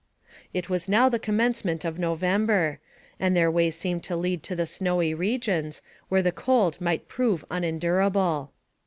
It was now the commencement of November, and their way seemed to lead to the snowy regions, where the cold might prove unendurable.